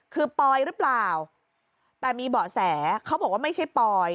คือปอยหรือเปล่าแต่มีเบาะแสเขาบอกว่าไม่ใช่ปอย